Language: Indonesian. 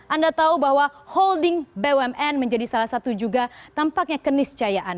anda tahu bahwa holding bumn menjadi salah satu juga tampaknya keniscayaan